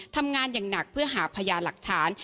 ทำงานอย่างหนักเพื่อหาพยานหลักฐาน